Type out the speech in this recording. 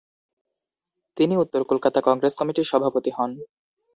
তিনি উত্তর কলকাতা কংগ্রেস কমিটির সভাপতি হন।